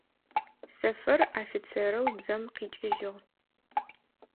Сэфэр офицерэу дзэм къикӏыжъыгъ.